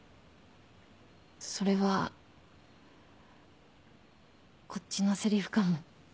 それはこっちのせりふかも。